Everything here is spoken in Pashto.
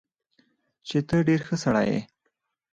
چې تۀ ډېر ښۀ سړے ئې